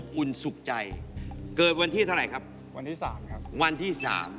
คุณจะพูดว่าอะไร